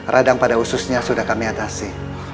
radang pada ususnya sudah kami atasi